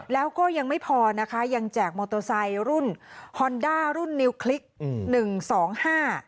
แล้วก็ยังไม่พอนะคะยังแจกมอเตอร์ไซค์รุ่นฮอนด้ารุ่นนิวคลิกอืมหนึ่งสองห้า